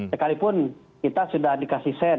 sekalipun kita sudah dikasih sen